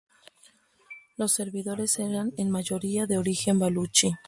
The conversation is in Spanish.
Los servidores eran en mayoría de origen baluchi.